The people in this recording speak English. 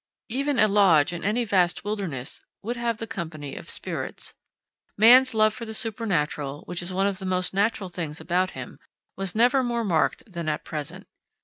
Even a Lodge in any vast wilderness would have the company of spirits. Man's love for the supernatural, which is one of the most natural things about him, was never more marked than at present.